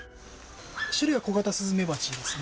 種類はコガタスズメバチですね。